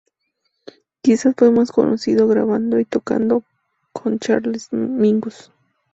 Quizás fue más conocido grabando y tocando con Charles Mingus.